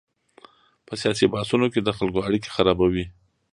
په سیاسي بحثونو کې د خلکو اړیکې خرابوي.